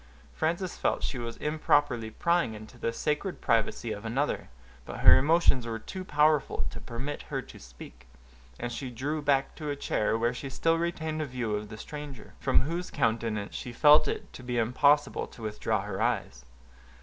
Frances felt she was improperly prying into the sacred privacy of another; but her emotions were too powerful to permit her to speak, and she drew back to a chair, where she still retained a view of the stranger, from whose countenance she felt it to be impossible to withdraw her eyes.